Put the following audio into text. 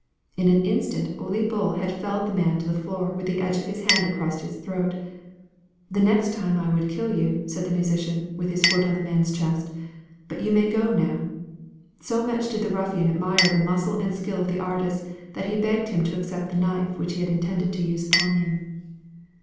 In an instant Ole Bull had felled the man to the floor with the edge of his hand across his throat. "The next time I would kill you," said the musician, with his foot on the man's chest; "but you may go now." So much did the ruffian admire the muscle and skill of the artist, that he begged him to accept the knife which he had intended to use upon him.